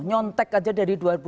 nyontek aja dari dua ribu dua